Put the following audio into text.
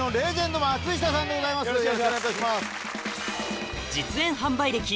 よろしくお願いします。